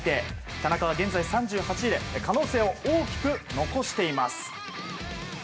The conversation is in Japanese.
田中は現在３８位で可能性を大きく残しています。